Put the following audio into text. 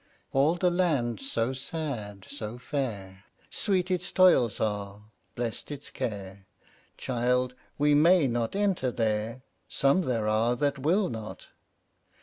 All the land so sad, so fair Sweet its toils are, blest its care. Child, we may not enter there! Some there are that will not.